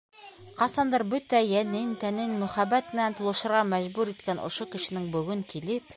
Ҡасандыр бөтә йәнен-тәнен мөхәббәт менән тулышырға мәжбүр иткән ошо кешенең бөгөн килеп...